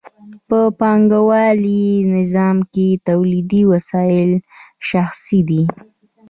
په پانګوالي نظام کې تولیدي وسایل شخصي دي